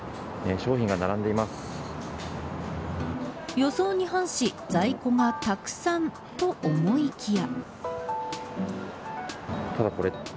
予想に反し、在庫がたくさんと思いきや。